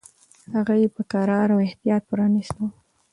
هغه یې په کراره او احتیاط پرانیستو.